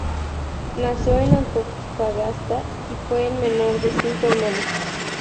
Nació en Antofagasta y fue el menor de cinco hermanos.